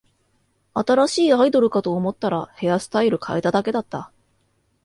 新しいアイドルかと思ったら、ヘアスタイル変えただけだった